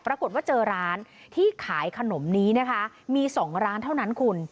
ปรากฏว่าเจอร้านที่ขายขนมนี้นะคะมี๒ร้านเท่านั้นคุณ